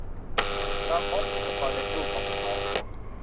เราพบอุปกรณ์ในตู้ของเขา